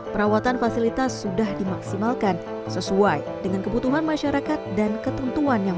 perawatan fasilitas sudah dimaksimalkan sesuai dengan kebutuhan masyarakat dan ketentuan yang